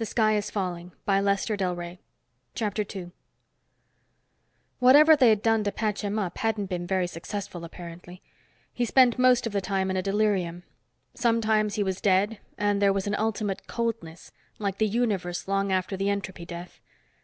But don't cross over. We need you sorely." Then he passed out again. II Whatever they had done to patch him up hadn't been very successful, apparently. He spent most of the time in a delirium; sometimes he was dead, and there was an ultimate coldness like the universe long after the entropy death.